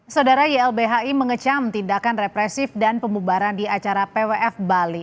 saudara ylbhi mengecam tindakan represif dan pemubaran di acara pwf bali